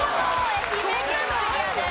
愛媛県クリアです。